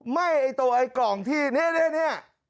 ไหม้ไอ้ตัวไอ้กล่องที่นี่